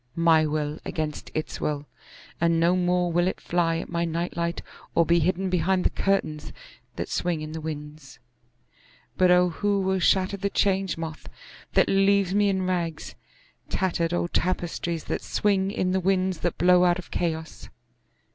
My will against its will, and no more will it fly at my night light or be hidden behind the curtains that swing in the winds.(But O who will shatter the Change Moth that leaves me in rags—tattered old tapestries that swing in the winds that blow out of Chaos!)